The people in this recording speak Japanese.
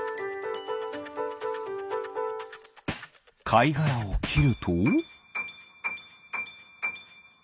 かいがらをきると。